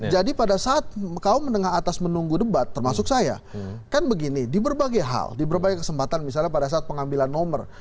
jadi pada saat kaum menengah atas menunggu debat termasuk saya kan begini di berbagai hal di berbagai kesempatan misalnya pada saat pengambilan nomor